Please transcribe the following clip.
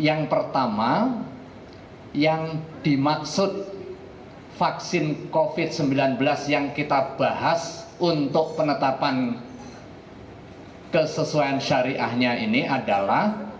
yang pertama yang dimaksud vaksin covid sembilan belas yang kita bahas untuk penetapan kesesuaian syariahnya ini adalah